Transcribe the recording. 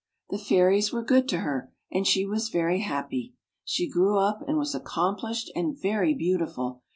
The fairies were good to her, and she was very happy. She grew up, and was accom plished and very beautiful.